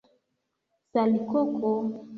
salikoko